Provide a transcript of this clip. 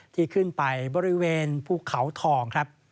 ที่ขึ้นไปบริเวณภูเขาทองครับ